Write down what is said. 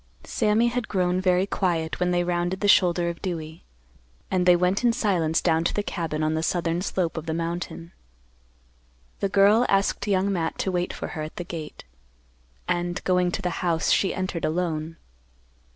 Sammy had grown very quiet when they rounded the shoulder of Dewey, and they went in silence down to the cabin on the southern slope of the mountain. The girl asked Young Matt to wait for her at the gate, and, going to the house, she entered alone.